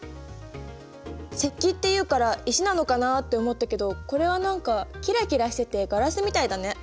石器っていうから石なのかなって思ったけどこれは何かキラキラしててガラスみたいだね。